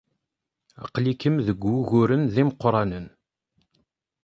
Aql-ikem deg wuguren d imeqranen.